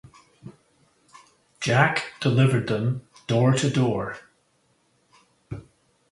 Jack delivered them door to door.